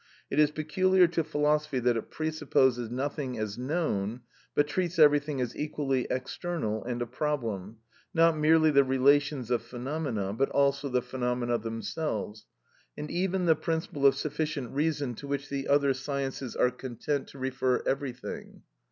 It is peculiar to philosophy that it presupposes nothing as known, but treats everything as equally external and a problem; not merely the relations of phenomena, but also the phenomena themselves, and even the principle of sufficient reason to which the other sciences are content to refer everything.